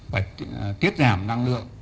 phải tiết giảm năng lượng